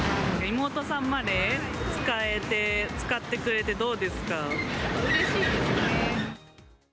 妹さんまで使えて、使ってくうれしいですね。